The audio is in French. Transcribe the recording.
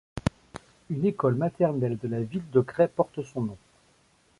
Une école maternelle de la ville de Crest porte son nom.